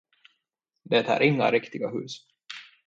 Det är inga riktiga hus.